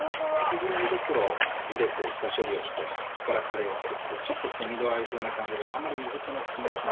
羊の胃袋をゆでて下処理をしてそっからカレーを作ってちょっとセミドライ風な感じであんまり水気の少ない感じに。